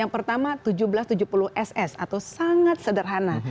yang pertama seribu tujuh ratus tujuh puluh ss atau sangat sederhana